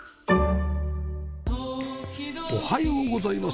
おはようございます。